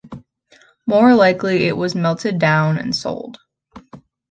More likely it was melted down and sold.